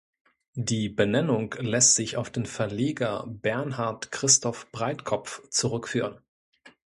Die Benennung lässt sich auf den Verleger Bernhard Christoph Breitkopf zurückführen.